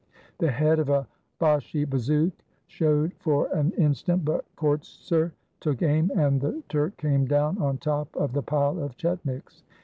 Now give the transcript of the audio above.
The head of a Bashi bazouk showed for an instant, but Kortser took aim and the Turk came down on top of the pile of chetniks.